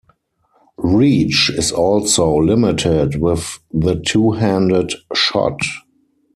Reach is also limited with the two-handed shot.